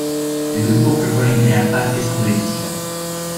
El grupo propone crear parques agroindustriales.